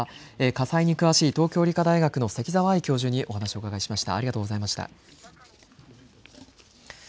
火災に詳しい東京理科大学の関澤愛教授にお話をお伺いしました。